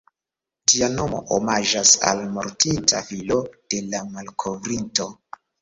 Ĝia nomo omaĝas al mortinta filo de la malkovrinto.